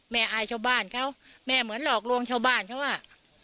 อายชาวบ้านเขาแม่เหมือนหลอกลวงชาวบ้านเขาว่า